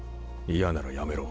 嫌ならやめろ。